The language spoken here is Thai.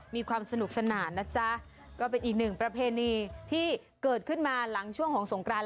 มีความสนุกสนานนะจ๊ะก็เป็นอีกหนึ่งประเพณีที่เกิดขึ้นมาหลังช่วงของสงกราน